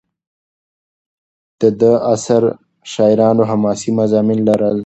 د ده د عصر شاعرانو حماسي مضامین لرل.